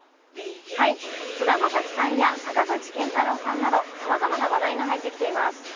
菅田将暉さんや坂口健太郎さんなどさまざまな話題が入ってきています。